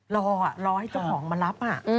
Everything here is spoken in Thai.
รออะรอให้เจ้าหองมารับอ่ะ